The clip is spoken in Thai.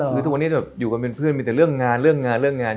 คือทุกวันนี้อยู่กันเป็นเพื่อนมีแต่เรื่องงานเรื่องงานเรื่องงาน